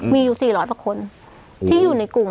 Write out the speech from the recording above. มีอยู่๔๐๐กว่าคนที่อยู่ในกลุ่ม